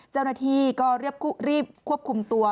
เจ้าหน้าที่ก็รีบควบคุมตัว